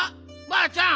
ばあちゃん！